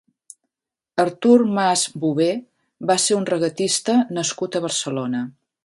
Artur Mas Bové va ser un regatista nascut a Barcelona.